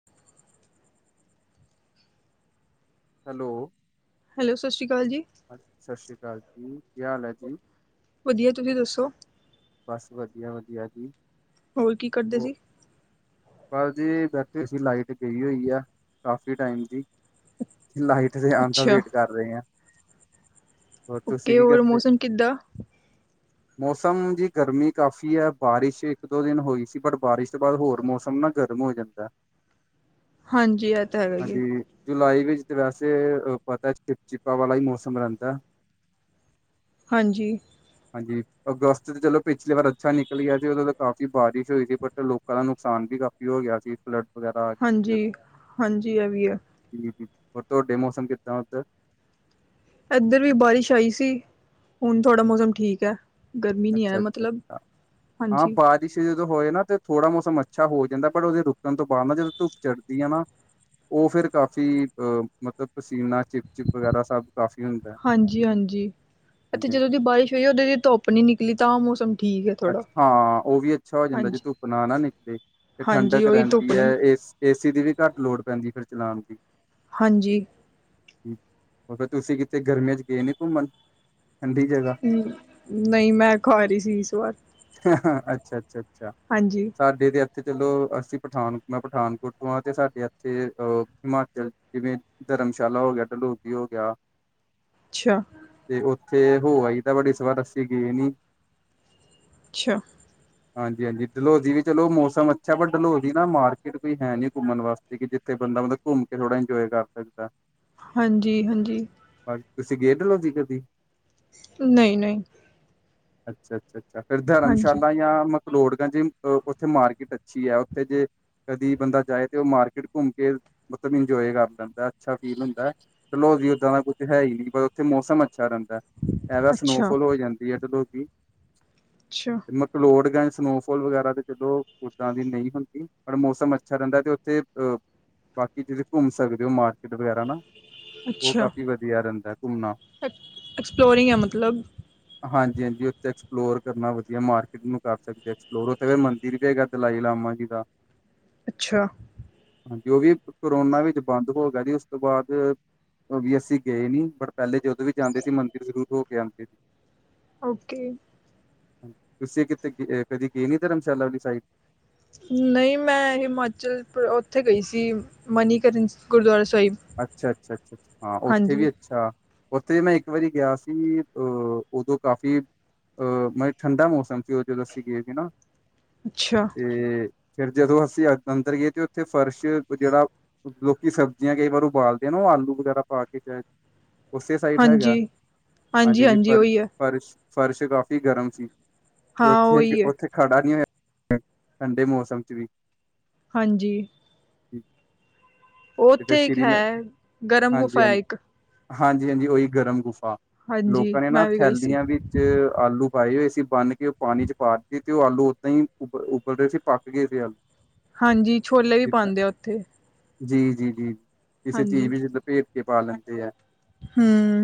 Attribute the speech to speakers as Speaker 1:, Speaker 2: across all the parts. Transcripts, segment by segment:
Speaker 1: [unintelligible]
Speaker 2: Hello,
Speaker 1: hello, ਸਸ ਰੀ ਕਾਲ ਜੀ।
Speaker 2: ਸਸ਼ ਰੀ ਕਾਲ ਜੀ, ਕੀ ਹਾਲ ਹੈ ਜੀ।
Speaker 1: ਵਧੀਆ, ਤੁਸੀਂ ਦੱਸੋ।
Speaker 2: ਬਸ ਵਧੀਆ-ਵਧੀਆ ਜੀ।
Speaker 1: ਹੋਰ ਕੀ ਕਰਦੇ
Speaker 2: ਉਹ
Speaker 1: ਸੀ।
Speaker 2: ਬਸ ਜੀ ਬੈਠੇ ਸੀ, ਲਾਈਟ ਗਈ ਹੋਈ ਆ ਕਾਫੀ ਟਾਈਮ ਦੀ, ਲਾਈਟ ਏਥੇ ਆਣ ਤੋਂ
Speaker 1: ਅੱਛਾ
Speaker 2: ਵੇਟ ਕਰ ਰਹੇ ਆਂ।
Speaker 1: ਓਕੇ, ਹੋਰ ਮੌਸਮ ਕਿੱਦਾਂ।
Speaker 2: [unintelligible] ਮੌਸਮ ਜੀ ਗਰਮੀ ਕਾਫ਼ੀ ਐ, ਬਾਰਿਸ਼ ਇੱਕ ਦੋ ਦਿਨ ਹੋਈ ਸੀ, ਪਰ ਬਾਰਿਸ਼ ਤੋਂ ਬਾਅਦ ਹੋਰ ਮੌਸਮ ਹੁਣ ਨਾ ਗਰਮ ਹੋ ਜਾਂਦਾ।
Speaker 1: ਹਾਂਜੀ, ਐਹ ਤਾਂ ਹੈਗਾ ਈ ਐ।
Speaker 2: ਹਾਂਜੀ ਜੁਲਾਈ ਵਿੱਚ ਤੇ ਵੈਸੇ ਪਤਾ, ਚਿਪ ਚਿਪਾ ਵਾਲਾ ਹੀ ਮੌਸਮ ਰਹਿੰਦਾ।
Speaker 1: ਹਾਂਜੀ।
Speaker 2: ਹਾਂਜੀ, ਅਗਸਤ ਚ ਜਦੋਂ ਪਿਛਲੀ ਵਾਰ ਅੱਛਾ ਨਿਕਲ ਗਿਆ ਸੀ, ਉਦੋਂ ਤਾਂ ਕਾਫ਼ੀ ਬਾਰਿਸ਼ ਹੋਈ ਸੀ, ਬਟ ਲੋਕਾਂ ਨੂੰ ਨੁਕਸਾਨ ਵੀ ਕਾਫ਼ੀ ਹੋ ਗਿਆ ਸੀ, ਫਲੱਡ ਵਗੈਰਾ ਆ ਗਈ ਸੀ, ਜਦ
Speaker 1: ਹਾਂਜੀ ਹਾਂਜੀ ਇਹ ਵੀ ਹੈ
Speaker 2: ਜੀ ਹੋਰ ਤੁਹਾਡੇ ਮੌਸਮ ਕਿੱਦਾਂ ਓਦਰ
Speaker 1: ਏਧਰ ਵੀ ਬਾਰਿਸ਼ ਆਈ ਸੀ, ਹੁਣ ਥੋੜਾ ਮੌਸਮ ਠੀਕ ਐ। ਗਰਮੀ ਨੀ ਐ ਮਤਲਬ, ਹਾਂਜੀ।
Speaker 2: ਪਿਛੇ ਜਦੋਂ ਹੋਏ ਨਾ ਤੇ ਥੋੜਾ ਮੌਸਮ ਅੱਛਾ ਹੋ ਜਾਂਦਾ, ਪਰ ਉਹਦੇ ਰੁਕਣ ਤੋਂ ਬਾਅਦ ਨਾ ਜਦੋਂ ਧੁੱਪ ਚੜ੍ਹਦੀ ਐ ਨਾ ਉਹ ਫੇਰ ਕਾਫੀ ਅਹ ਮਤਲਬ ਪਸੀਨਾ, ਚਿਪ ਚਿਪ ਵਗੈਰਾ ਸਭ ਕਾਫ਼ੀ ਹੁੰਦਾ ਹੈ।
Speaker 1: ਹਾਂਜੀ-ਹਾਂਜੀ, ਏਥੇ
Speaker 2: ਹਾਂਜੀ ਹਾਂਜੀ।
Speaker 1: ਜਦੋਂ ਦੀ ਬਾਰਿਸ਼ ਹੋਈ ਆ, ਉਦੋਂ ਦੀ ਧੁੱਪ ਨੀ ਨਿਕਲੀ, ਤਾਂ ਮੌਸਮ ਠੀਕ ਹੈ ਥੋੜ੍ਹਾ
Speaker 2: ਅੱਛਾ ਹਾਂ, ਉਹ ਵੀ ਅੱਛਾ ਹੋ ਜਾਂਦਾ ਜੇ
Speaker 1: ਹਾਂਜੀ
Speaker 2: ਧੁੱਪ ਨਾ-ਨਾ ਨਿਕਲੇ, ਤੇ
Speaker 1: ਹਾਂਜੀ
Speaker 2: ਠੰਡਕ
Speaker 1: ਉਹੀ ਧੁੱਪ
Speaker 2: ਰਹਿੰਦੀ
Speaker 1: ਨੇ
Speaker 2: ਐ, ਏਸ ਏਸੀ ਦੀ ਵੀ ਘੱਟ ਲੋੜ ਪੈਂਦੀ ਐ, ਫੇਰ ਚਲਾਣ ਦੀ।
Speaker 1: ਹਾਂਜੀ।
Speaker 2: ਹੋ ਫਿਰ ਤੁਸੀਂ ਕਿਤੇ ਗਰਮੀਆਂ ਚ, ਗਏ ਨੀ ਘੁੰਮਣ ਠੰਡੀ ਜਗ੍ਹਾ।
Speaker 1: ਨਹੀਂ ਮੈਂ ਖਵਾ, ਰਹੀ ਸੀ ਇਸ ਵਾਰ।
Speaker 2: ਅੱਛਾ, ਅੱਛਾ- ਅੱਛਾ।
Speaker 1: ਹਾਂਜੀ।
Speaker 2: ਸਾਡੇ ਤਾਂ ਇੱਥੇ ਚਲੋ, ਅਸੀਂ ਪਠਾਨਕ ਮੈਂ ਪਠਾਨਕੋਟ ਤੋਂ ਹਾਂ, ਅਤੇ ਸਾਡੇ ਇੱਥੇ ਅ ਹਿਮਾਚਲ ਜਿਵੇਂ ਧਰਮਸ਼ਾਲਾ ਹੋ ਗਿਆ, ਡਲੋਜੀ ਹੋ ਗਿਆ।
Speaker 1: ਅੱਛਾ।
Speaker 2: ਤੇ ਉੱਥੇ ਹੋ ਆਈ ਦਾ, ਇਸ ਵਾਰ ਅਸੀਂ ਗਏ ਨੀ,
Speaker 1: ਅੱਛਾ
Speaker 2: ਹਾਂਜੀ -ਹਾਂਜੀ ਡਲਹੋਜੀ ਵੀ ਚਲੋ ਮੌਸਮ ਅੱਛਾ, ਬਟ ਡਲਹੋਜੀ ਨਾ ਮਾਰਕੀਟ ਕੋਈ, ਹੈ ਨੀ ਘੁੰਮਣ ਵਾਸਤੇ ਸੀ ਕਿ ਜਿੱਥੇ ਬੰਦਾ ਮਤਲਬ ਘੁੰਮ ਕੇ, ਥੋੜਾ ਇੰਜੋਏ ਕਰ ਸਕਦਾ।
Speaker 1: ਹਾਂਜੀ -ਹਾਂਜੀ
Speaker 2: ਹਾਂਜੀ, ਤੁਸੀਂ ਗਏ ਡਲੋਹਜੀ ਕਦੀ?
Speaker 1: ਨਹੀਂ- ਨਹੀਂ,
Speaker 2: ਅੱਛਾ, ਅੱਛਾ -ਅੱਛਾ ਫਿਰ
Speaker 1: ਹਾਂਜੀ
Speaker 2: ਧਰਮਸ਼ਾਲਾ ਜਾਂ ਲੋੜਗੰਜ, ਉੱਥੇ ਮਾਰਕੀਟ ਅੱਛੀ ਹੈ ਉੱਥੇ ਜੇ ਕਦੀ ਬੰਦਾ ਜਾਏ, ਤੇ ਉਹ ਮਾਰਕੀਟ ਘੁੰਮ ਕੇ ਮਤਲਬ ਇੰਜੋਏ ਕਰ ਲੈਂ, ਅੱਛਾ ਫੀਲ ਹੁੰਦਾ ਡਲਹੌਜੀ ਓਦਾਂ ਦਾ ਕੁੱਛ ਹੈ ਹੀ ਨਹੀਂ, ਪਰ ਉੱਥੇ ਮੌਸਮ ਅੱਛਾ ਰਹਿੰਦਾ, ਐ ਵਾਰ
Speaker 1: ਅੱਛਾ
Speaker 2: ਸਨੋਫੋਲ ਹੋ ਜਾਂਦੀ ਹੈ ਜਦੋ
Speaker 1: ਅੱਛਾ।
Speaker 2: ਮਕਲੋਟ ਗੰਜ ਸਨੋਫਾਲ ਵਗੈਰਾ, ਤੇ ਜਦੋਂ ਉਦਾਂ ਦੀ ਨਹੀਂ ਹੁੰਦੀ ਪਰ, ਮੌਸਮ ਅੱਛਾ ਰਹਿੰਦਾ ਤੇ, ਤੇ ਬਾਕੀ, ਜਿਹੜੇ ਘੁੰਮ ਸਕਦੇ ਹੋ ਮਾਰ ਏਧਰ ਵਗੈਰਾ ਨਾ, ਉਹ
Speaker 1: ਅੱਛਾ
Speaker 2: ਕਾਫੀ ਵਧੀਆ ਰਹਿੰਦਾ ਘੁੰਮਣਾ।
Speaker 1: ਐਕਸਪਲੋਰਿੰਗ ਹੈ ਮਤਲਬ,
Speaker 2: ਹਾਂਜੀ -ਹਾਂਜੀ ਐਕਸਪਲੋਰ, ਕਰਨਾ ਵਧੀਆ ਮਾਰਕੀਟ ਨੂੰ ਕਰ ਸਕਦੇ, ਐਕਸਪਲੋਰ ਉੱਥੇ ਫੇਰ ਮੰਦਿਰ ਵੀ ਹੈ ਕਰਦੇ ਲਾਈ ਲਾਮਾ ਜੀ ਦਾ। [inaudible]
Speaker 1: ਅੱਛਾ।
Speaker 2: ਹਾਂ ਜੋ ਵੀ, ਕਰੋਨਾ ਵਿੱਚ ਬੰਦ ਹੋ ਗਿਆ ਜੀ, ਉਸ ਤੋਂ ਬਾਅਦ ਉਹ ਵੀ ਅਸੀਂ ਗਏ ਨਈ ਬਟ ਪਹਿਲੇ ਜਦੋਂ ਵੀ ਜਾਂਦੇ ਸੀ। ਮੰਦਿਰ ਜ਼ਰੂਰ ਹੋ ਕੇ ਆਂਦੇ ਸੀ।
Speaker 1: ਓਕੇ,
Speaker 2: ਹਾਂਜੀ, ਜੀ ਤੁਸੀਂ ਕਿਤੇ ਕਦੇ ਗਏ ਨੀ ਧਰਮਸ਼ਾਲਾ ਵਾਲੀ ਸਾਈਡ?
Speaker 1: ਨਹੀਂ ਮੈਂ ਹਿਮਾਚਲ, ਉੱਥੇ ਗਈ ਸੀ ਮਨੀਕਰਨ ਗੁਰਦੁਆਰਾ ਸਾਹਿਬ।
Speaker 2: ਅੱਛਾ, ਅੱਛਾ -ਅੱਛਾ ਹਾਂ ਉੱਥੇ
Speaker 1: ਹਾਂਜੀ
Speaker 2: ਵੀ ਅੱਛਾ, ਉੱਥੇ ਮੈਂ ਇੱਕ ਵਾਰੀ ਗਿਆ ਸੀ। ਅਹ ਉਦੋਂ ਕਾਫ਼ੀ ਅਹ ਮਤ ਠੰਡਾ ਮੌਸਮ ਸੀ। ਉਹ ਜਦੋਂ ਅਸੀਂ ਗਏ ਸੀ ਨਾ,
Speaker 1: ਅੱਛਾ।
Speaker 2: ਤੇ ਫੇਰ ਜਦੋਂ, ਅਸੀਂ ਅੰਦਰ ਗਏ ਤੇ ਉੱਥੇ, ਫਰਸ਼ ਜਿਹੜਾ ਲੋਕੀ ਸਬਜ਼ੀਆਂ ਕਈ ਵਾਰ, ਉਬਾਲਦੇ ਨੇ ਉਹ ਆਲੂ ਵਗੈਰਾ ਪਾ ਕੇ ਉਸੇ ਸਾਈਟ ਹੈਗਾ,
Speaker 1: ਹਾਂਜੀ
Speaker 2: ਹਾਂਜੀ- ਹਾਂਜੀ ਪ ਰ ਫ਼ਰਸ ਫਰਸ਼, ਕਾਫ਼ੀ ਗਰਮ ਸੀ ਤੇ
Speaker 1: ਹਾਂ
Speaker 2: ਉੱਥੇ
Speaker 1: ਉਹੀ ਹੈ
Speaker 2: -ਉੱਥੇ ਖੜਾ ਨਹੀਂ ਹੋਇਆ, ਠੰਡੇ ਮੌਸਮ ਚ ਵੀ
Speaker 1: ਹਾਂਜੀ। ਉਹ
Speaker 2: ਤੇ ਫਿਰ
Speaker 1: ਉੱਥੇ ਇੱਕ
Speaker 2: ਸ਼੍ਰੀ
Speaker 1: ਹੈ ਗਰਮ
Speaker 2: ਹਾਂਜੀ ਹਾਂਜੀ
Speaker 1: ਗੁਫਾ ਹੈ ਇੱਕ।
Speaker 2: ਹਾਂਜੀ -ਹਾਂਜੀ ਉਹੀ ਗਰਮ ਗੁਫਾ,
Speaker 1: ਹਾਂਜੀ
Speaker 2: ਲੋਕਾਂ ਨੇ ਨਾ
Speaker 1: ਮੈਂ ਵੀ ਗਈ ਸੀ
Speaker 2: ਥੈਲੀਆਂ ਵੀ ਚ ਆਲੂ ਪਾਏ ਹੋਏ ਸੀ ਬੰਨ ਕੇ, ਉਹ ਪਾਣੀ ਚ ਪਾ ਤੇ ਉਹ ਆਲੂ ਉੱਦਾਂ ਹੀ ਉਬ ਉਬਲਦੇ ਰਹੇ ਸੀ ਪੱਕ ਗਏ ਸੀ ਆਲੂ। [inaudible]
Speaker 1: ਹਾਂਜੀ, ਛੋਲੇ ਵੀ
Speaker 2: ਜਿੱਦਾਂ
Speaker 1: ਪਾਉਂਦੇ ਆ ਉੱਥੇ
Speaker 2: ਜੀ, ਜੀ, ਜੀ -ਜੀ ਕਿਸੇ ਚੀਜ਼
Speaker 1: ਹਾਂਜੀ
Speaker 2: ਵੀ ਲਪੇਟ ਕੇ ਪਾ ਲੈਂਦੇ ਆ।
Speaker 1: ਹਮ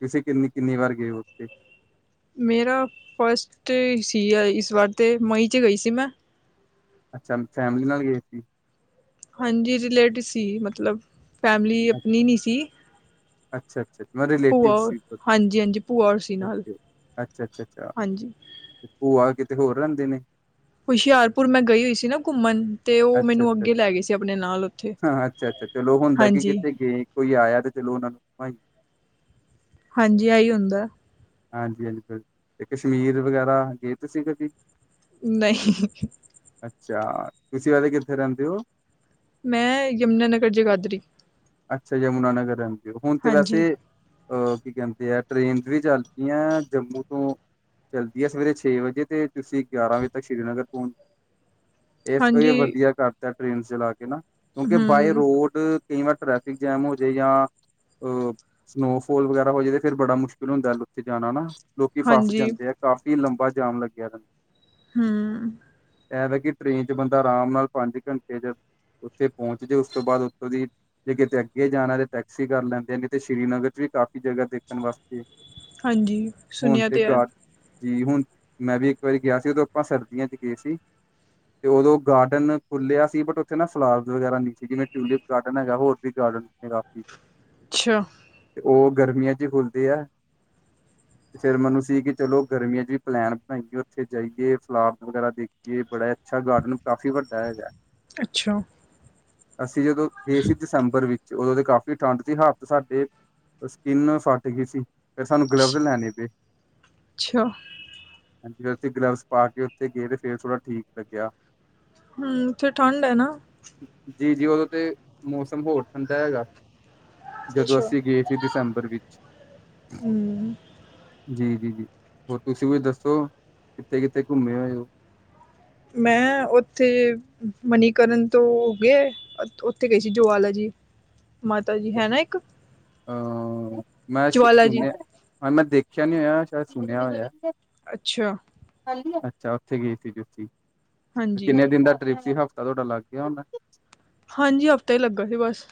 Speaker 2: ਤੁਸੀਂ ਕਿੰਨੀ-ਕਿੰਨੀ ਵਾਰ ਗਏ ਉੱਥੇ।
Speaker 1: ਮੇਰਾ, ਫਸਟ ਸੀ ਅ ਇਸ ਵਾਰ ਤੇ ਮਈ ਚ ਗਈ ਸੀ ਮੈਂ।
Speaker 2: ਅੱਛਾ ਫੈਮਿਲੀ ਨਾਲ ਗੇ ਸੀ?
Speaker 1: ਹਾਂਜੀ ਰਿਲੇਟ ਸੀ, ਮਤਲਬ ਫੈਮਿਲੀ ਅਪਨੀ ਨੀ ਸੀ।
Speaker 2: ਅੱਛਾ-ਅੱਛਾ ਮ
Speaker 1: ਭੂਆ
Speaker 2: ਰਿਲੇਟਿਵ ਸੀ,
Speaker 1: ਹਾਂਜੀ ਹਾਂਜੀ ਭੂਆ ਔਰ ਸੀ ਨਾਲ
Speaker 2: ਓਕੇ ਓ। ਅੱਛਾ-ਅੱਛਾ-ਅੱਛਾ,
Speaker 1: ਹਾਂਜੀ
Speaker 2: ਭੂਆ ਕਿਤੇ ਹੋਰ ਰਹਿੰਦੇ ਨੇ।
Speaker 1: ਹੁਸ਼ਿਆਰਪੁਰ ਮੈਂ ਗਈ ਹੋਈ ਸੀ ਨਾ ਘੁੰਮਣ। ਤੇ ਉਹ ਮੈਨੂੰ ਅੱਗੇ ਲੈ
Speaker 2: ਅੱਛਾ-ਅੱਛਾ-ਅੱਛਾ,
Speaker 1: ਗਏ ਸੀ ਆਪਣੇ ਨਾਲ ਉੱਥੇ
Speaker 2: ਹਾਂ ਅੱਛਾ-ਅੱਛਾ ਚਲੋ ਹੁੰਦਾ ਕਿ
Speaker 1: ਹਾਂਜੀ
Speaker 2: ਕਿਤੇ ਗੇ ਕੋਈ ਆਇਆ ਤੇ ਚਲੋ ਉਹਨਾਂ ਨੂੰ ਘੁਮਾਈ
Speaker 1: ਹਾਂਜੀ ਆਈ ਹੁੰਦਾ।
Speaker 2: ਹਾਂਜੀ-ਹਾਂਜੀ ਫਿਰ, ਤੇ ਕਸ਼ਮੀਰ ਵਗੈਰਾ ਗੇ ਤੁਸੀਂ ਕਦੀ?
Speaker 1: ਨਹੀਂ।
Speaker 2: ਅੱਛਾ, ਤੁਸੀਂ ਵੈਸੇ ਕਿੱਥੇ ਰਹਿੰਦੇ ਓ?
Speaker 1: ਮੈਂ, ਯਮੁਨਾਨਗਰ ਜਗਾਦਰੀ।
Speaker 2: ਅੱਛਾ, ਯਮੁਨਾਨਗਰ ਰਹਿੰਦੇ ਹੋ ਹੁਣ ਤੇ
Speaker 1: ਹਾਂਜੀ
Speaker 2: ਵੈਸੇ ਅਹ, ਕੀ ਕਹਿੰਦੇ ਆ ਟਰੇਨਸ ਵੀ ਚੱਲਪੀਆਂ ਜੰਮੂ ਤੋਂ ਚੱਲਦੀ ਐ ਸਵੇਰੇ ਛੇ ਵਜੇ ਤੇ ਤੁਸੀਂ ਗਿਆਰਾਂ ਵਜੇ ਤੱਕ ਸ੍ਰੀਨਗਰ ਪਹੁੰਚ ਇਹ ਸ ਇਹ
Speaker 1: ਹਾਂਜੀ
Speaker 2: ਵਧੀਆ ਕਰਤਾ ਟ੍ਰੇਨ ਚਲਾ ਕੇ ਨਾ, ਕਿਉਂਕਿ ਬਾਏ
Speaker 1: ਹਮ
Speaker 2: ਰੋਡ, ਕਈ ਵਾਰ ਟ੍ਰੈਫਿਕ ਜੈਮ ਹੋ ਜੇ ਜਾਂ ਅ, ਸਨੋਫੋਲ ਵਗੈਰਾ ਹੋ ਜੇ ਤੇ ਫਿਰ ਬੜਾ ਮੁਸ਼ਕਿਲ ਹੁੰਦਾ ਉੱਥੇ ਜਾਣਾ ਨਾ। ਲੋਕੀ ਫਸ
Speaker 1: ਹਾਂਜੀ
Speaker 2: ਜਾਂਦੇ ਆ ਕਾਫ਼ੀ ਲੰਬਾ ਜਾਮ ਲੱਗਿਆ
Speaker 1: ਹਮ
Speaker 2: ਇਹ ਵ ਕਿ ਟ੍ਰੇਨ ਚ ਬੰਦਾ ਆਰਾਮ ਨਾਲ ਪੰਜ ਘੰਟੇ ਚ ਉੱਥੇ ਪਹੁੰਚ ਜੇ ਉਸ ਤੋਂ ਬਾਅਦ ਉੱਥੋਂ ਦੀ ਜੇ ਕਿਤੇ ਅੱਗੇ ਜਾਣਾ ਤੇ ਟੈਕਸੀ ਕਰ ਲੈਂਦੇ ਨੇ ਤੇ ਸ੍ਰੀਨਗਰ ਚ ਵੀ ਕਾਫੀ ਜਗ੍ਹਾ ਦੇਖਣ ਵਾਸਤੇ।
Speaker 1: ਹਾਂਜੀ
Speaker 2: ਹਣ
Speaker 1: ਸੁਣਿਆ
Speaker 2: ਤੇ
Speaker 1: ਹੈ
Speaker 2: ਗਾ ਜੀ ਹੁਣ, ਮੈਂ ਵੀ ਇੱਕ ਵਾਰੀ ਗਿਆ ਸੀ ਉਦੋਂ ਆਪਾਂ ਸਰਦੀਆਂ ਚ ਗੇ ਸੀ। ਤੇ ਉਦੋਂ ਗਾਰਡਨ ਖੁੱਲਿਆ ਸੀ, ਬਟ ਉੱਥੇ ਨਾ ਫਲਾਰਸ ਵਗੈਰਾ ਨੀ ਸੀ ਜਿਵੇਂ ਟੂਲਿਪ ਗਾਰਡਨ ਜਾ ਹੋਰ ਕੋਈ ਗਾਰਡਨਸ ਕਾਫੀ
Speaker 1: ਛਾ
Speaker 2: ਉਹ ਗਰਮੀਆਂ ਚ ਖੁੱਲਦੇ ਆ। ਫੇਰ ਮੰਨੂੰ ਸੀ ਕਿ ਚਲੋ ਗਰਮੀਆਂ ਚ ਵੀ ਪਲੈਨ ਬਣਾਈਏ ਉੱਥੇ ਜਾਈਏ ਫਲਾਰਸ ਵਗੈਰਾ ਦੇਖੀਏ ਬੜਾ ਗਾਰਡਨ ਕਾਫ਼ੀ ਵੱਡਾ ਹੈਗਾ।
Speaker 1: ਅੱਛਾ।
Speaker 2: ਅਸੀਂ ਜਦੋਂ, ਗੇ ਸੀ ਦਸੰਬਰ ਵਿੱਚ ਉਦੋਂ ਤੇ ਕਾਫ਼ੀ ਠੰਢ ਸੀ ਹੱਥ ਸਾਡੇ ਸਕਿੰਨ ਫੱਟ ਗੀ ਸੀ, ਫਿਰ ਸਾਨੂੰ ਗਲਵਜ਼ ਲੈਣੇ ਪੇ।
Speaker 1: ਛਾ।
Speaker 2: ਫਿਰ ਉਥੇ ਗਲਵਸ ਪਾ ਕੇ ਉੱਥੇ ਗੇ ਤੇ ਫੇਰ ਥੋੜ੍ਹਾ ਠੀਕ ਲੱਗਿਆ।
Speaker 1: ਹਮ ਉੱਥੇ ਠੰਡ ਐ ਨਾ।
Speaker 2: ਜੀ-ਜੀ ਉਦੋਂ ਤੇ, ਮੌਸਮ ਹੋਰ ਠੰਡਾ ਹੈਗਾ। ਜਦੋਂ
Speaker 1: ਅੱਛਾ
Speaker 2: ਅਸੀਂ ਗੇ ਸੀ ਦਸੰਬਰ ਵਿੱਚ।
Speaker 1: ਹਮ
Speaker 2: ਜੀ-ਜੀ-ਜੀ ਹੋਰ ਤੁਸੀਂ ਕੁਛ ਦੱਸੋ, ਕਿੱਥੇ-ਕਿੱਥੇ ਘੁੰਮੇ ਹੋਏ ਓ?
Speaker 1: ਮੈਂ, ਉੱਥੇ, ਮਨੀਕਰਨ ਤੋਂ, ਗੇ ਉੱਥੇ ਗਏ ਸੀ ਜਵਾਲਾ ਜੀ, ਮਾਤਾ ਜੀ ਹੈ ਨਾ ਇੱਕ।
Speaker 2: ਹਹ ਮੈਂ ਸੁ
Speaker 1: ਜੁਆਲਾ ਜੀ
Speaker 2: ਸੁਣਿਆ, ਹਾਂ ਮੈਂ ਦੇਖਿਆ ਨਹੀਂ ਹੋਇਆ ਸ਼ਾਇਦ ਸੁਣਿਆ ਹੋਇਆ।
Speaker 1: ਅੱਛਾ।
Speaker 2: ਅੱਛਾ ਉੱਥੇ ਗਏ ਸੀ ਤੁਸੀਂ,
Speaker 1: ਹਾਂਜੀ
Speaker 2: ਕਿੰਨੇ ਦਿਨ ਦਾ ਟ੍ਰਿਪ ਸੀ ਹਫ਼ਤਾ ਤੁਹਾਡਾ ਲੱਗ ਗਿਆ ਹੋਣਾ।
Speaker 1: ਹਾਂਜੀ ਹਫ਼ਤਾ ਈ ਲੱਗਾ ਸੀ ਬਸ।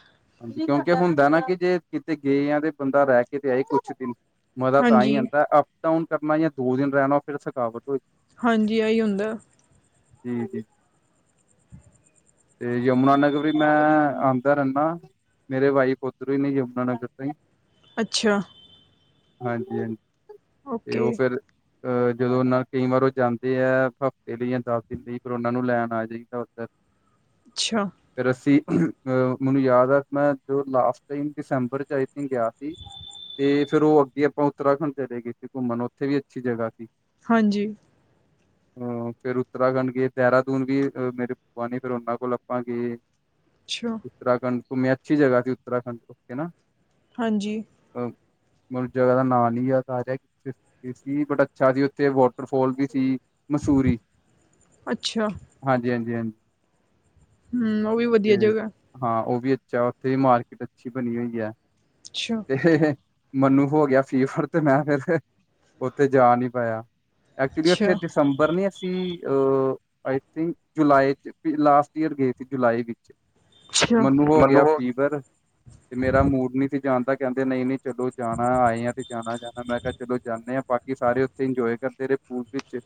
Speaker 2: ਕਿਉਂਕਿ ਹੁੰਦਾ ਐ ਨਾ ਕਿ ਜੇ, ਕਿਤੇ ਗਏ ਆ ਤੇ ਬੰਦਾ ਰਹਿ ਕੇ ਤੇ ਆਏ ਕੁਛ ਦਿਨ। ਮਜ਼ਾ ਤਾਂ ਈ
Speaker 1: ਹਾਂਜੀ
Speaker 2: ਆਂਦਾ ਅਪ ਡਾਊਨ ਕਰਨਾ ਜਾਂ ਦੋ ਦਿਨ ਰਹਿਣਾ ਫਿਰ ਥਕਾਵਟ ਹੋ
Speaker 1: ਹਾਂਜੀ, ਏਹੀ ਹੁੰਦਾ।
Speaker 2: ਹੂੰ-ਹੂੰ। ਤੇ ਯਮੁਨਾ ਨਗਰ ਵੀ ਮੈਂ ਆਉਦਾ-ਰਹਿੰਦਾ। ਮੇਰੇ ਵਾਈਫ ਉਧਰੋਂ ਨੇ ਯਮੁਨਾ ਨਗਰ ਤੋਂ ਹੀ।
Speaker 1: ਅੱਛਾ।
Speaker 2: ਹਾਂਜੀ-ਹਾਂਜੀ, ਤੇ
Speaker 1: ਓਕੇ
Speaker 2: ਉਹ ਫਿਰ ਅਹ ਜਦੋਂ ਨਾ ਕਈ ਵਾਰ ਉਹ ਜਾਂਦੇ ਹੈ ਹਫ਼ਤੇ ਲਈ ਜਾਂ ਦਸ ਦਿਨ ਲਈ, ਫਿਰ ਉਨਾ ਨੂੰ ਲੈਣ ਆ ਜਾਈਦਾ ਉਧਰ। [inaudible]
Speaker 1: ਅੱਛਾ।
Speaker 2: ਫਿਰ ਅੱਸੀ ਅਹ ਅ ਮੈਨੂੰ ਯਾਦ ਆ। ਮੈਂ ਜੋ ਲਾਸਟ ਟਾਈਮ ਦਸੰਬਰ ਚ ਆਈ ਥਿੰਕ ਗਿਆ ਸੀ। ਤੇ ਫੇਰ ਉਹ ਅੱਗੇ ਆਪਾਂ ਉੱਤਰਾਖੰਡ ਚਲੇ ਗਏ ਸੀ, ਘੁੰਮਣ ਉੱਥੇ ਵੀ ਅੱਛੀ ਜਗ੍ਹਾ ਸੀ।
Speaker 1: ਹਾਂਜੀ।
Speaker 2: [inaudible] ਅ ਫੇਰ ਉਤਰਾਖੰਡ ਗਏ, ਦੇਹਰਾਦੂਨ ਵੀ ਮੇਰੇ ਬੁਆ ਨੇ ਫਿਰ ਉਹਨਾਂ ਕੋਲ ਆਪਾਂ ਗਏ। [inaudible]
Speaker 1: ਅੱਛਾ।
Speaker 2: ਉੱਤਰਾਖੰਡ ਘੁੰਮੇ, ਅੱਛੀ ਜਗਾ ਸੀ ਉੱਤਰਾਖੰਡ ਹੈਨਾ।
Speaker 1: ਹਾਂਜੀ।
Speaker 2: ਅ ਮੈਨ ਜਗ੍ਹਾ ਦਾ ਨਾਂ ਨੀ ਯਾਦ ਆ ਰਿਹਾ। ਸੀ ਬੜਾ ਅੱਛਾ ਜੀ, ਉਤੇ ਵਾਟਰਫਾਲ ਵੀ ਸੀ ਮਸੂਰੀ।
Speaker 1: ਅੱਛਾ।
Speaker 2: ਹਾਂਜੀ-ਹਾਂਜੀ-ਹਾਂਜੀ।
Speaker 1: ਹੂੰ, ਉਹ ਵੀ ਵਧੀਆ ਜਗ੍ਹਾ।
Speaker 2: ਹਾਂ, ਉਹ ਵੀ ਅੱਛਾ ਉੱਥੇ ਦੀ ਮਾਰਕੀਟ ਅੱਛੀ ਬਣੀ ਹੋਈ ਹੈ।
Speaker 1: ਅੱਛਾ।
Speaker 2: ਹ-ਹ-ਹ, ਮੈਨੂੰ ਹੋ ਗਿਆ ਫੀਵਰ ਤੇ ਮੈਂ ਫਿਰ ਫ ਉੱਥੇ ਜਾ ਨਹੀਂ ਪਾਇਆ। ਐਕਚੁਲੀ
Speaker 1: ਅੱਛਾ
Speaker 2: ਉੱਥੇ ਦਸੰਬਰ ਨੀ ਅਸੀਂ ਅ ਆਈ ਥਿੰਕ ਜੁਲਾਈ ਚ ਵੀ ਲਾਸਟ ਈਅਰ ਗਏ ਸੀ, ਜੁਲਾਈ ਵਿੱਚ
Speaker 1: ਅੱਛਾ
Speaker 2: ਮੈਨੂੰ ਹੋ
Speaker 1: ਉਹ
Speaker 2: ਪਰ ਮੇਰਾ ਮੂਡ ਨੀ ਸੀ ਜਾਣਦਾ ਕਹਿੰਦੇ, ਨਹੀਂ-ਨਹੀਂ ਚਲੋ ਜਾਣਾ, ਆਏ ਆ ਤੇ ਜਾਣਾ-ਜਾਣਾ ਮੈਂ। ਚਲੋ ਜਾਂਦੇ ਹਾਂ, ਬਾਕੀ ਸਾਰੇ ਉੱਥੇ ਇੰਜੋਏ ਕਰਦੇ ਰਹੇ ਪੂਲ ਵਿੱਚ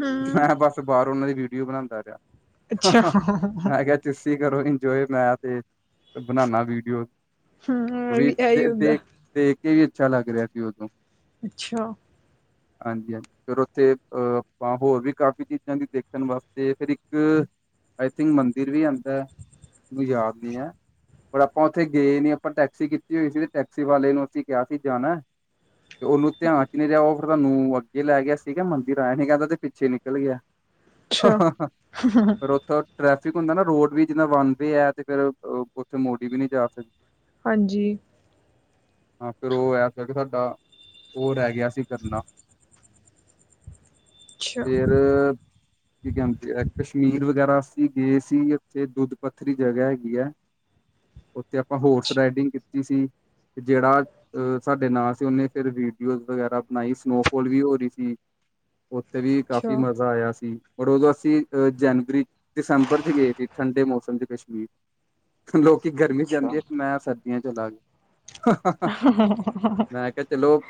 Speaker 1: ਹਮ
Speaker 2: ਮ ਬਸ ਬਾਰ ਉਹਨਾਂ ਦੀ ਵੀਡੀਓ ਬਣਾਉਂਦਾ ਰਿਹਾ,
Speaker 1: ਅੱਛਾ
Speaker 2: ਹ-ਹ
Speaker 1: ਹਮ
Speaker 2: ਮੈਂ ਕਿਹਾ ਚਸੀ ਕਰੋ ਇੰਜੋਏ ਮੈਂ ਤੇ ਬਨਾਨਾ ਵੀਡੀਓ ਕਿਉਂਕਿ
Speaker 1: ਵੀ
Speaker 2: ਇਥੇ
Speaker 1: ਇਹੀ ਹੁੰਦਾ
Speaker 2: ਤੇ-ਤੇ ਦੇਖ ਕੇ ਵੀ ਅੱਛਾ ਲਗ ਰਹਾ ਸੀ ਓਦੋਂ।
Speaker 1: ਅੱਛਾ।
Speaker 2: ਹਾਂਜੀ-ਹਾਂਜੀ। ਫਿਰ ਉੱਥੇ ਅਹ ਆਪਾਂ, ਹੋਰ ਵੀ ਕਾਫ਼ੀ ਚੀਜ਼ਾਂ ਦੀ ਦੇਖਣ ਵਾਸਤੇ ਫਿਰ ਇੱਕ ਆਈ ਥਿੰਕ ਮੰਦਿਰ ਵੀ ਆਉਂਦਾ, ਮੈਨੂੰ ਯਾਦ ਨਹੀਂ ਹੈ। ਪਰ ਆਪਾਂ ਉੱਥੇ ਗਏ ਨੀ ਆਪਾਂ ਟੈਕਸੀ ਕੀਤੀ ਹੋਈ ਸੀ ਤੇ ਟੈਕਸੀ ਵਾਲੇ ਨੂੰ ਅਸੀਂ ਕਿਹਾ ਸੀ ਜਾਣਾ। ਤੇ ਉਨੂੰ ਧਿਆਨ ਚ ਨਹੀਂ ਰਿਹਾ, ਉਹ ਫਿਰ ਸਾਨੂੰ ਅੱਗੇ ਲੈ ਗਿਆ ਸੀਗਾ, ਮੰਦਿਰ ਆਇਆ ਨੀ ਕਹਿੰਦਾ ਤੇ ਪਿੱਛੇ ਨਿਕਲ ਗਿਆ।
Speaker 1: ਅੱਛਾ
Speaker 2: ਹਾ-ਹਾ, ਫਿਰ ਉਥੋਂ ਟ੍ਰੈਫਿਕ ਹੁੰਦਾ ਨਾ ਰੋਡ ਵੀ ਜਿੱਨਾ ਬਨਦੇ ਹੈ ਤੇ ਫਿਰ ਉੱਥੇ ਮੋੜੀ ਵੀ ਨਹੀਂ ਜਾ ਸਕਦੀ
Speaker 1: ਹਾਂਜੀ।
Speaker 2: ਹਾਂ, ਫਿਰ ਉਹ ਐ ਕਿ ਸਾਡਾ ਉਹ ਰਹਿ ਗਿਆ ਸੀ ਕਰਨਾ
Speaker 1: ਅੱਛਾ
Speaker 2: ਫਿਰ ਕੀ ਕਹਿੰਦੇ ਕਸ਼ਮੀਰ ਵਗੈਰਾ ਅਸੀਂ ਗਏ ਸੀ, ਉੱਥੇ ਦੁੱਧ ਪੱਥਰੀ ਜਗ੍ਹਾ ਹੈਗੀ ਹੈ। ਉੱਥੇ ਆਪਾਂ ਹੋਰਸ ਰਾਈਡਿੰਗ ਕੀਤੀ ਸੀ, ਤੇ ਜਿਹੜਾ ਅ ਸਾਡੇ ਨਾਲ ਸੀ ਉਹਨੇ ਫਿਰ ਵੀਡੀਓਜ਼ ਵਗੈਰਾ ਬਣਾਈ ਸਨੋਫੋਲ ਵੀ ਹੋ ਰਹੀ ਸੀ। ਉੱਥੇ ਵੀ ਕਾਫ਼ੀ
Speaker 1: ਅੱਛਾ
Speaker 2: ਮਜ਼ਾ ਆਇਆ ਸੀ। ਪਰ ਉਦੋਂ ਅਸੀਂ ਅਹ ਜਨਵਰੀ, ਦਸੰਬਰ ਚ ਗਏ ਸੀ ਠੰਡੇ ਮੌਸਮ ਚ ਕਸ਼ਮੀਰ। ਲੋਕੀ ਗਰਮੀ ਚ ਜਾਂਦੇ
Speaker 1: ਅੱਛਾ
Speaker 2: ਹੈ, ਤੇ ਮੈਂ ਸਰਦੀਆਂ ਚਲਾ ਗਿਆ। ਹ-ਹ-ਹ ਮੈਂ ਕਿਹਾ ਚਲੋ।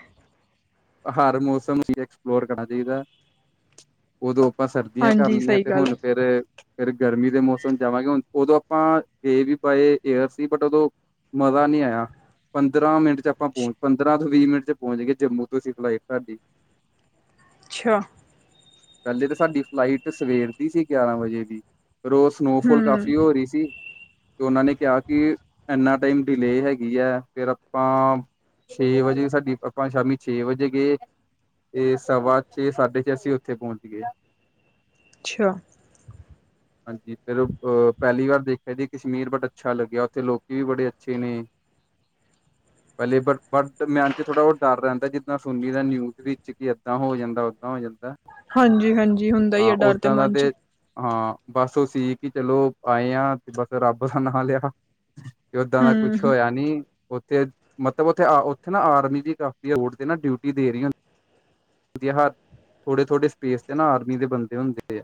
Speaker 2: ਹਰ ਮੌਸਮ ਐਕਸਪਲੋਰ ਕਰਨਾ ਚਾਹੀਦਾ। ਉਦੋਂ ਆਪਾਂ ਸਰਦੀਆਂ ਕਰ
Speaker 1: ਹਾਂਜੀ
Speaker 2: ਲਈਆਂ,
Speaker 1: ਸਹੀ
Speaker 2: ਤੇ
Speaker 1: ਗੱਲ
Speaker 2: ਹੁਣ
Speaker 1: ਹੈ।
Speaker 2: ਫੇਰ। ਫਿਰ ਗਰਮੀ ਦੇ ਮੌਸਮ ਜਾਵਾਂਗੇ, ਹੁਣ ਉਦੋਂ ਆਪਾਂ ਗਏ ਵੀ। ਬਾਏ ਏਅਰ ਸੀ, ਬਟ ਉਦੋਂ, ਮਜ਼ਾ ਨਹੀਂ ਆਇਆ, ਪੰਦਰਾਂ ਮਿੰਟ ਚ ਆਪਾਂ ਪਹੁੰਚ ਪੰਦਰਾਂ। ਵੀਹ ਮਿੰਟ ਚ ਪਹੁੰਚ ਗਈ, ਜੰਮੂ ਤੋਂ ਸੀ ਫਲਾਈਟ ਸਾਡੀ।
Speaker 1: ਅੱਛਾ।
Speaker 2: ਪਹਿਲੇ ਤਾਂ ਸਾਡੀ ਫਲਾਈਟ ਸਵੇਰ ਦੀ ਸੀ ਗਿਆਰਾਂ ਵਜੇ ਦੀ, ਫੇਰ ਔ ਸਨੋਫੋਲ
Speaker 1: ਹੂੰ
Speaker 2: ਕਾਫੀ ਹੋ ਰਹੀ ਸੀ। ਤੇ ਉਹਨਾਂ ਨੇ ਕਿਹਾ ਕਿ, ਇਨਾ ਟਾਈਮ ਡਿਲੇ ਹੈਗੀ ਹੈ ਫਿਰ ਆਪਾਂ ਛੇ ਵਜੇ ਸਾਡੀ, ਆਪਾਂ ਸ਼ਾਮੀ ਛੇ ਵਜੇ ਗਏ ਇਹ ਸਵਾ ਛੇ ਸਾਢੇ ਛੇ ਅਸੀਂ ਉੱਥੇ ਪਹੁੰਚ ਗਏ
Speaker 1: ਛ
Speaker 2: ਹਾਂਜੀ ਫਿਰ ਅ ਪਹਿਲੀ ਵਾਰ ਦੇਖਿਆ, ਜੀ ਕਸ਼ਮੀਰ ਬਟ ਅੱਛਾ ਲੱਗਿਆ, ਉੱਥੇ ਲੋਕੀ ਵੀ ਬੜੇ ਅੱਛੇ ਨੇ [inaudible] ਪਹਿਲੇ ਬਟ, ਬਟ ਮਨ ਚ ਥੋੜ੍ਹਾ ਉਹ ਡਰ ਰਹਿੰਦਾ, ਜਿੱਦਾਂ ਸੁਨੀ ਦਾ ਨਿਊਜ਼ ਵਿੱਚ, ਕਿ ਏਦਾਂ ਹੋ ਜਾਂਦਾ ਓਦਾਂ ਹੋ ਜਾਂਦਾ
Speaker 1: ਹਾਂਜੀ- ਹਾਂਜੀ ਹੁੰਦਾ ਹੀ ਹੈ,
Speaker 2: ਹਾਂ
Speaker 1: ਡਰ ਤੇ
Speaker 2: ਓਦਾਂ ਦਾ
Speaker 1: ਮਨ ਚ
Speaker 2: ਹਾਂ ਬਸ ਉਹ ਸੀ ਕਿ ਚਲੋ ਆਏ ਆ, ਤੇ ਬਸ ਰੱਬ ਦਾ ਨਾਂ ਲਿਆ ਕਿ ਓਦਾਂ ਦਾ
Speaker 1: ਹੂੰ
Speaker 2: ਕੁਛ ਹੋਇਆ ਨੀ ਤੇ ਮਤਲਬੱ ਉੱਥੇ ਨਾ ਆਰਮੀ ਵੀ ਕਾਫੀ, ਵੋਟ ਤੇ ਨਾ ਡਿਊਟੀ ਦੇ ਰਹੀੁੰ ਹੁੰ ਥੋੜੇ ਥੋੜੇ ਸਪੇਸ ਤੇ ਨਾ, ਆਰਮੀ ਦੇ ਬੰਦੇ ਹੁੰਦੇ ਆ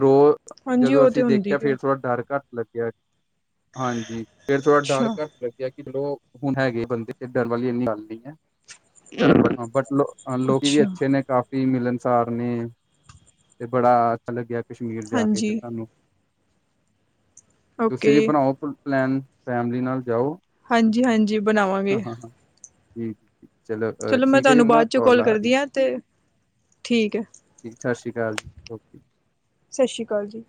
Speaker 2: ਰੋਜ
Speaker 1: ਹਾਂਜੀ
Speaker 2: ਜਦੋਂ
Speaker 1: ਉਹ ਤੇ
Speaker 2: ਅਸੀਂ
Speaker 1: ਹੁੰਦੀ
Speaker 2: ਦੇਖਿਆ,
Speaker 1: ਹੈ
Speaker 2: ਫੇਰ ਥੋੜਾ ਡਰ ਘੱਟ ਲੱਗਿਆ, ਹਾਂਜੀ, ਫਿਰ ਥੋੜਾ ਡਰ ਕਟ ਲੱਗਿਆ ਕਿ ਚਲੋ ਹੁਣ ਹੈਗੇ ਬੰਦੇ, ਤੇ ਡਰ ਵਾਲੀ ਇੰਨੀ ਗੱਲ ਨਹੀਂ ਹੈ ਹਾਂ, ਬਟ ਲੋ ਲੋਕੀ ਵੀ
Speaker 1: ਅੱਛਾ-ਅੱਛਾ
Speaker 2: ਅੱਛੇ ਨੇ ਕਾਫੀ ਮਿਲਨਸਾਰ ਨੇ, ਤੇ ਬੜਾ ਅੱਛਾ ਲੱਗਿਆ ਕਸ਼ਮੀਰ ਜਾ ਕੇ ਫਿਰ
Speaker 1: ਹਾਂਜੀ
Speaker 2: ਸਾਨੂੰ ਤੁਸੀਂ
Speaker 1: ਓਕੇ
Speaker 2: ਵੀ ਬਣਾਓ ਫੁਲ ਪਲੈਨ, ਫੈਮਿਲੀ ਨਾਲ ਜਾਓ
Speaker 1: ਹਾਂਜੀ- ਹਾਂਜੀ
Speaker 2: ਹਾਂ ਹਾਂ ਹਾਂ ਜੀ ਚਲੋ ਠੀਕ ਹੈ ਜੀ,
Speaker 1: ਤੁਹਾਨੂੰ
Speaker 2: ਮੈਂ
Speaker 1: ਬਾਅਦ 'ਚੋਂ
Speaker 2: ਕਾਲ ਆ ਰਹੀ
Speaker 1: ਕਰਦੀ ਹਾਂ ਤੇ ਠੀਕ ਹੈ
Speaker 2: ਸਤਿ ਸ਼੍ਰੀ ਅਕਾਲ ਜੀ ਓਕੇ
Speaker 1: ਸਤਿ ਸ਼੍ਰੀ ਅਕਾਲ ਜੀ